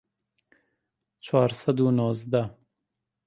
چوار سەد و نۆزدە